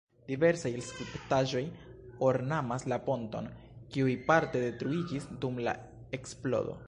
Diversaj skulptaĵoj ornamas la ponton, kiuj parte detruiĝis dum la eksplodo.